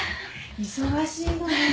忙しいのね。